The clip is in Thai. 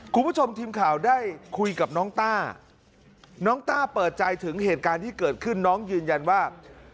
คุณผู้ชมทีมข่าวได้คุยกับน้องต้าน้องต้าเปิดใจถึงเหตุการณ์ที่เกิดขึ้นน้องยืนยันว่า